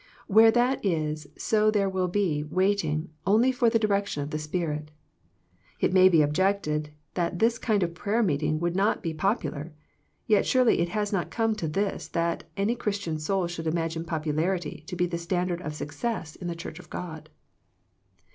Where that is so there will be " waiting " only for direction by the Spirit. It may be objected that this kind of prayer meeting would not be popular, yet surely it has not come to this that any Christian soul should imagine popularity to be the standard of success in the Church of God.